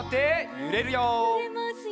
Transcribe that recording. ゆれますよ。